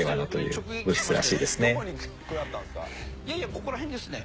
ここら辺ですね。